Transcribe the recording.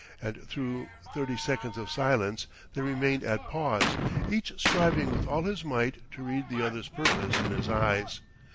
And through thirty seconds of silence they remained at pause, each striving with all his might to read the other's purpose in his eyes.